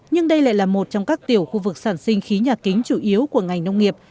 nhưng đây lại là một trong các tiểu khu vực sản sinh khí nhà kính chủ yếu của ngành nông nghiệp